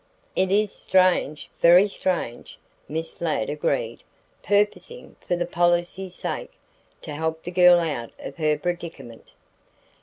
"It is strange, very strange," Miss Ladd agreed, purposing, for policy's sake, to help the girl out of her predicament.